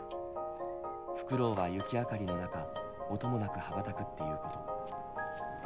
フクロウは雪明かりの中音もなく羽ばたくっていうこと。